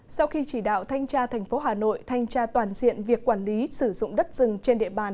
sau khi chỉ đạo thanh tra thành phố hà nội thanh tra toàn diện việc quản lý sử dụng đất rừng trên địa bàn